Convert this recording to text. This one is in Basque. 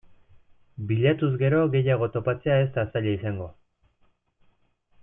Bilatuz gero gehiago topatzea ez da zaila izango.